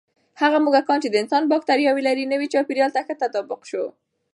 هغه موږکان چې د انسان بکتریاوې لري، نوي چاپېریال ته ښه تطابق شو.